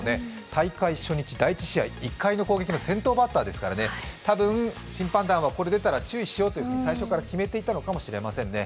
大会初日、第１試合、１回の攻撃の先頭バッターですからたぶん、審判団はこれが出たら注意しようと最初から決めていたのかもしれませんね。